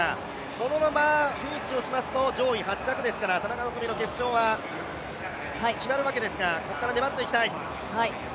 このままフィニッシュしますと、上位８着ですから、田中希実の決勝は決まるわけですが、ここから粘っていきたい。